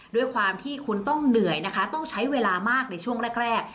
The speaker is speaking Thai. ด้วยความที่คุณต้องเหนื่อยนะคะต้องใช้เวลามากในช่วงแรก